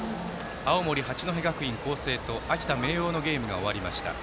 青森・八戸学院光星と秋田・明桜のゲームが終わりました。